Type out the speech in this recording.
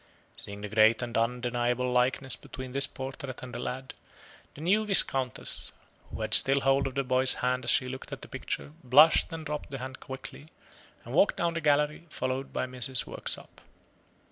Seeing the great and undeniable likeness between this portrait and the lad, the new Viscountess, who had still hold of the boy's hand as she looked at the picture, blushed and dropped the hand quickly, and walked down the gallery, followed by Mrs. Worksop.